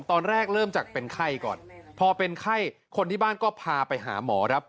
ตอนแรกเริ่มจากเป็นไข้ก่อนพอเป็นไข้คนที่บ้านก็พาไปหาหมอครับ